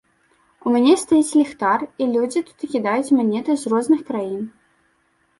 У мяне стаіць ліхтар, і людзі туды кідаюць манеты з розных краін.